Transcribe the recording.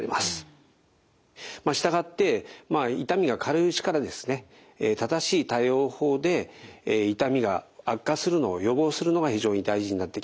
従って痛みが軽いうちからですね正しい対応法で痛みが悪化するのを予防するのが非常に大事になってきます。